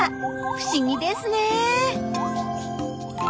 不思議ですねえ。